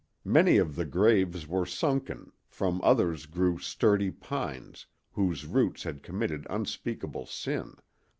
Many of the graves were sunken, from others grew sturdy pines, whose roots had committed unspeakable sin.